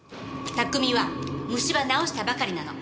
拓海は虫歯治したばかりなの。